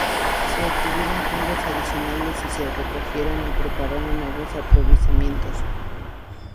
Se obtuvieron fondos adicionales y se recogieron y prepararon nuevos aprovisionamientos.